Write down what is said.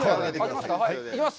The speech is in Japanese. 行きます。